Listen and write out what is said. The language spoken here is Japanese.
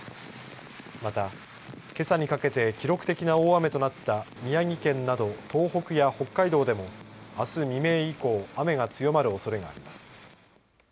また、けさにかけて記録的な大雨となった宮城県など、東北や北海道でもあす未明以降雨が強まるおそれがあります。